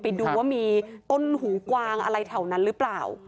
ไปดูว่ามีต้นหูกวางอะไรแถวนั้นหรือเปล่า